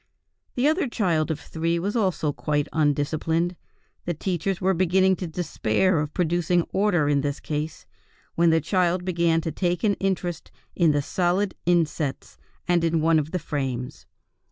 The other child of three was also quite undisciplined. The teachers were beginning to despair of producing order in this case, when the child began to take an interest in the solid insets and in one of the frames.